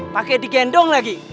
pakai digendong lagi